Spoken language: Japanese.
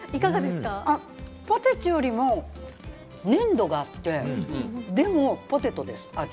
ポテチよりも粘度があって、でもポテトです、味。